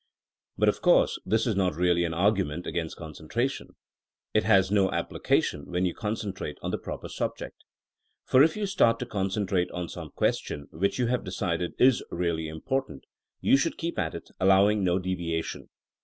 But of course this is not really an argument against concentration. It has no application when you concentrate on the proper subject For if you start to concentrate on some question which you have decided is really important, you should keep at it, allowing no deviation.